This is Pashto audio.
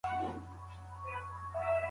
هیڅوک حق نه لري چي د بل چا ږغ په پټه واوري.